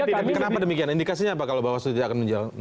tapi kenapa demikian indikasinya apa kalau bawaslu tidak akan menjawab